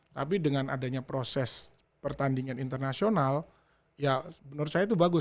tapi dengan adanya proses pertandingan internasional ya menurut saya itu bagus